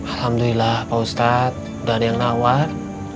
alhamdulillah pak ustadz udah ada yang nawar dua lima ratus